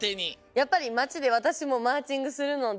やっぱりまちでわたしもマーチングするので。